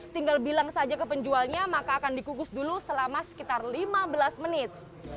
tinggal bilang saja ke penjualnya maka akan dikukus dulu selama sekitar lima belas menit